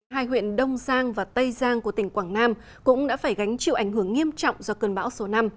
hai huyện đông giang và tây giang của tỉnh quảng nam cũng đã phải gánh chịu ảnh hưởng nghiêm trọng do cơn bão số năm